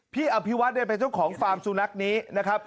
พี่อภิวัตเนี่ยเป็นชุดของฟาร์มสุนัขนี้นะครับ